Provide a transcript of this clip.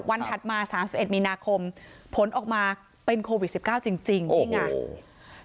วันถัดมาสามสิบเอ็ดมีนาคมผลออกมาเป็นโควิด๑๙จริงจริงโอ้โห